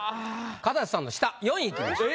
かたせさんの下４位いきましょう。